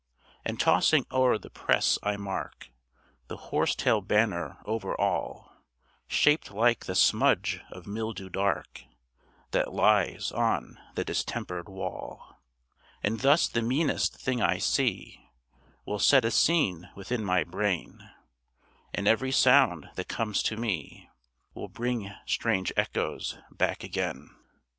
And tossing o'er the press I mark The horse tail banner over all, Shaped like the smudge of mildew dark That lies on the distempered wall. And thus the meanest thing I see Will set a scene within my brain, And every sound that comes to me, Will bring strange echoes back again.